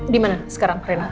yaudah dimana sekarang rena